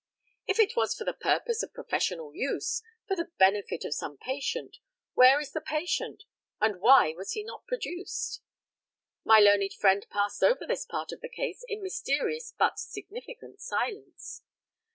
If it was for the purpose of professional use, for the benefit of some patient, where is the patient, and why was he not produced? My learned friend passed over this part of the case in mysterious but significant silence.